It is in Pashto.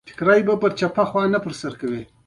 د انسان ذهن د فزیک تر ټولو لوی وسیله ده.